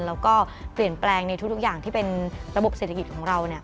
แล้วก็เปลี่ยนแปลงในทุกอย่างที่เป็นระบบเศรษฐกิจของเราเนี่ย